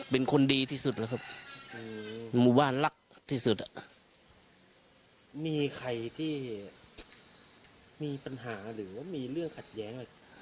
เป็นคนดีที่สุดแล้วครับหมู่บ้านรักที่สุดมีใครที่มีปัญหาหรือว่ามีเรื่องขัดแย้งอะไร